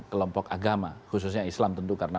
kelompok agama khususnya islam tentu karena